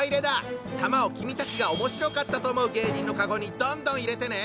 玉を君たちがおもしろかったと思う芸人のカゴにどんどん入れてね！